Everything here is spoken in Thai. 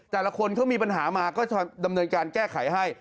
แต่ละคนเขามีปัญหามาก็จะดำเนินการแก้ไขให้